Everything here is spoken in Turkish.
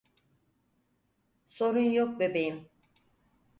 Sorun yok bebeğim.